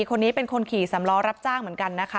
คนนี้เป็นคนขี่สำล้อรับจ้างเหมือนกันนะคะ